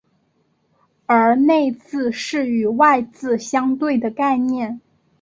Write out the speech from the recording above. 而内字是与外字相对的概念。